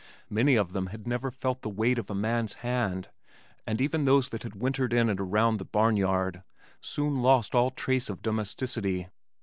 Many of them had never felt the weight of a man's hand, and even those that had wintered in and around the barn yard soon lost all trace of domesticity.